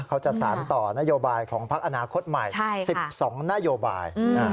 เขาจะสารต่อนโยบายของพักอนาคตใหม่๑๒นโยบาย